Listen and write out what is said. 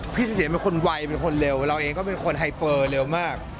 เสถียณเป็นคนไวเป็นคนเร็วเราเองก็เป็นคนไฮเฟอร์เร็วมาก